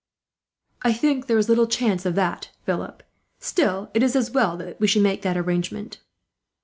"I think there is little chance of that, Philip; still, it as well that we should make that arrangement."